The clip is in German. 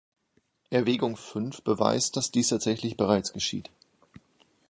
Erwägung V beweist, dass dies tatsächlich bereits geschieht.